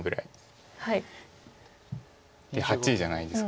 ８じゃないですか。